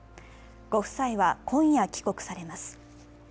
ご夫妻は今夜、帰国されます。